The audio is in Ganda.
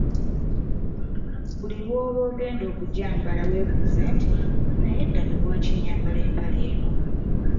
Buli lw’oba ogenda okugyambala weebuuze nti, “Naye ddala lwaki nyambala empale eno?